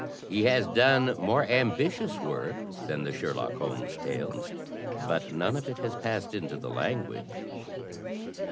He has done more ambitious work than the Sherlock Holmes tales, but none of it has passed into the language."